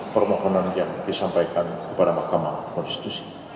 permohonan yang disampaikan kepada mahkamah konstitusi